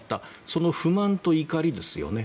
その不満と怒りですよね。